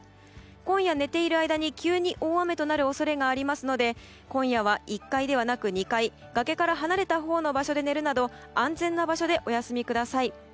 今夜、寝ている間に急に大雨となる恐れがありますので今夜は、１階ではなく２階崖から離れたほうの場所で寝るなど安全な場所でお休みください。